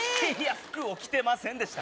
服を着てませんでした。